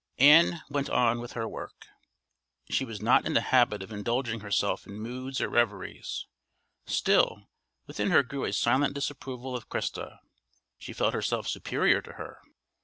Ann went on with her work. She was not in the habit of indulging herself in moods or reveries; still, within her grew a silent disapproval of Christa. She felt herself superior to her.